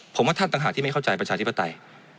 ผมว่าท่านต่างหากที่ไม่เข้าใจประชาธิปไตย